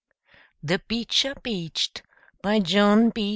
THE BEECHER BEACHED BY JOHN B.